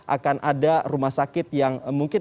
akan ada rumah sakit yang mungkin